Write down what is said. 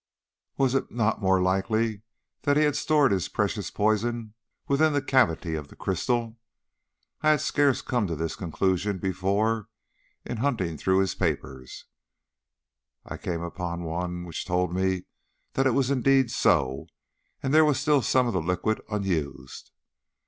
Was it not more likely that he had stored his precious poison within the cavity of the crystal? I had scarce come to this conclusion before, in hunting through his papers, I came upon one which told me that it was indeed so, and that there was still some of the liquid unused.